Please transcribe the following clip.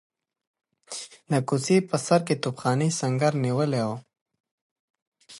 د کوڅې په سر کې توپخانې سنګر نیولی وو.